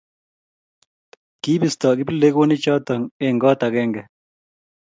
kibisto kiplekonichoto eng koot agenge